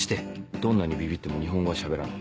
どんなにビビっても日本語は喋らない。